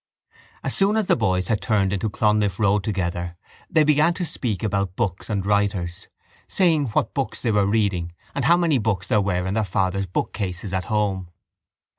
As soon as the boys had turned into Clonliffe Road together they began to speak about books and writers, saying what books they were reading and how many books there were in their fathers' bookcases at home.